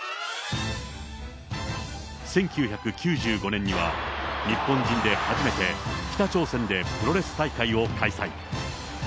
１９９５年には、日本人で初めて北朝鮮でプロレス大会を開催。